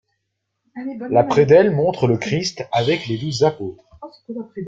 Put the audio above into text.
La prédelle montre le Christ avec les douze apôtres.